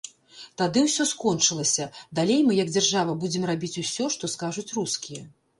Тады ўсё скончылася, далей мы як дзяржава будзем рабіць усё, што скажуць рускія.